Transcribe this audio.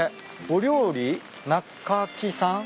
「お料理なかき」さん。